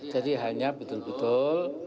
jadi hanya betul betul